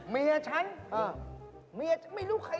เมียฉันไม่รู้ใครถูก